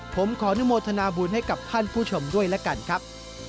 ผมขออนุโมทนาบุญให้กับท่านผู้ชมด้วยละกันครับ